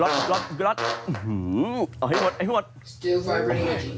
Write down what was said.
ความนิดหนึ่ง